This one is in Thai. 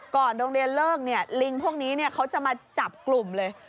โรงเรียนเลิกลิงพวกนี้เขาจะมาจับกลุ่มเลย